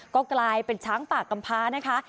ก็กลายเป็นช้างป่ากำพานะคะ